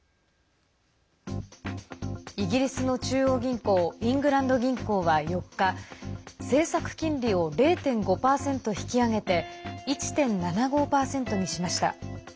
イギリスの中央銀行イングランド銀行は４日政策金利を０．５％引き上げて１．７５％にしました。